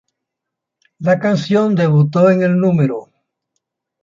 La canción debutó en el No.